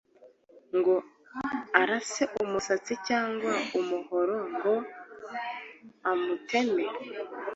ngo arase Umututsi cyangwa umuhoro ngo amuteme,